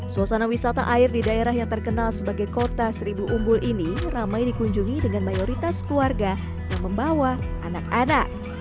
suasana wisata air di daerah yang terkenal sebagai kota seribu umbul ini ramai dikunjungi dengan mayoritas keluarga yang membawa anak anak